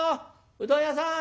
うどん屋さん！